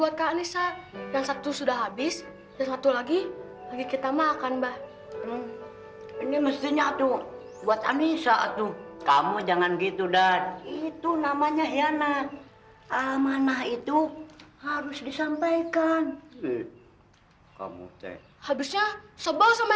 terima kasih kang assalamualaikum